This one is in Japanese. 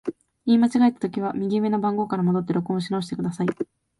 言い間違えたときは、右上の番号から戻って録音し直してください。